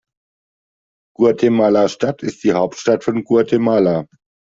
Guatemala-Stadt ist die Hauptstadt von Guatemala.